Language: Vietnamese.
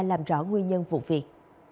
làm rõ nguyên nhân vụ việc